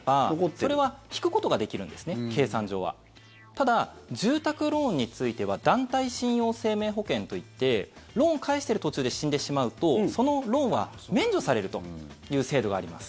ただ、住宅ローンについては団体信用生命保険といってローンを返してる途中で死んでしまうとそのローンは免除されるという制度があります。